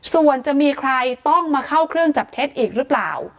ส่วนจะมีใครต้องมาเข้าเครื่องจับเท็จอีกหรือเปล่า